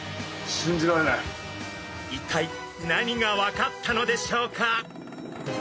一体何が分かったのでしょうか？